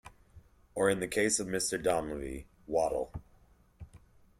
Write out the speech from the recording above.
Or in the case of Mr Donlevy, waddle.